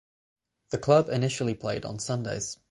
The club initially played on Sundays.